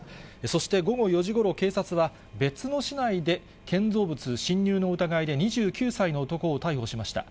そして午後４時ごろ、警察は、別の市内で建造物侵入の疑いで２９歳の男を逮捕しました。